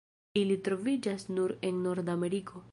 Ili troviĝas nur en Nordameriko.